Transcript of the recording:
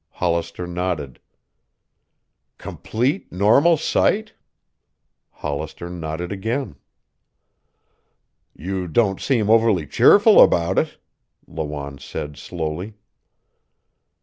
Hollister nodded. "Complete normal sight?" Hollister nodded again. "You don't seem overly cheerful about it," Lawanne said slowly.